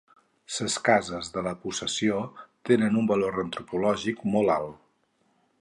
Ses cases de la Possessió tenen un valor antropològic molt alt